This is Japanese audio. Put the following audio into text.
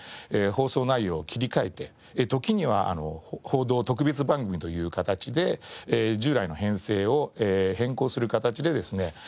放送内容を切り替えて時には報道特別番組という形で従来の編成を変更する形でですね